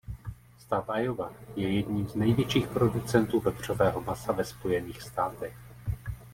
Stát Iowa je jedním z největších producentů vepřového masa ve Spojených státech.